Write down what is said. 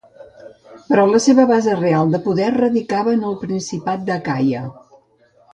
Però la seva base real de poder radicava en el Principat d'Acaia.